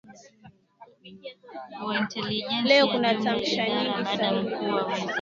Leo kuna tamasha nyingi swahili pot.